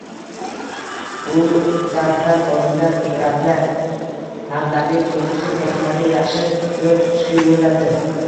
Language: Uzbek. bu darddan olingan ibratlar, hamdardlik tuyg'usi Fotimani yaxshi yo'l tutishga yo'lladi.